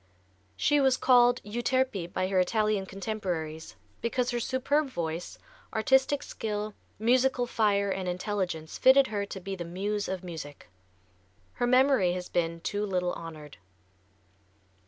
She was called "Euterpe" by her Italian contemporaries because her superb voice, artistic skill, musical fire and intelligence fitted her to be the muse of music. Her memory has been too little honored.